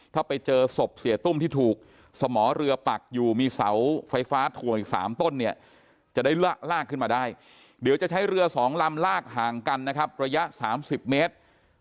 ถ้าไปเจอศพเสียตุ้มที่ถูกสมอเรือปักอยู่มีเสาไฟฟ้าถ่วงอีก๓ต้นเนี่ยจะได้ลากขึ้นมาได้เดี๋ยวจะใช้เรือสองลำลากห่างกันนะครับระยะ๓๐เมตร